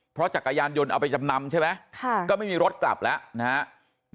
เพราะจักรยานยนต์เอาไปจำนำใช่ไหมก็ไม่มีรถกลับแล้วนะครับ